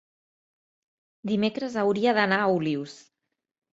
dimecres hauria d'anar a Olius.